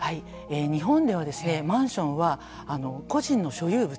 日本ではマンションは個人の所有物。